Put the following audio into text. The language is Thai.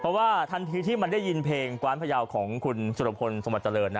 เพราะว่าทันทีที่มันได้ยินเพลงกว้านพยาวของคุณสุรพลสวัสดิเจริญ